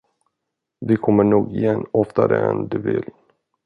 Vi kommer nog igen, oftare än du vill!